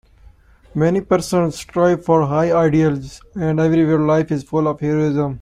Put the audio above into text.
Many persons strive for high ideals, and everywhere life is full of heroism.